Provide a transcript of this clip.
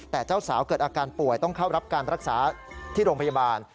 แต่เจ้าสาวเกิดอาการป่วยต้องเข้ารับการรักษาที่โรงพยาบาล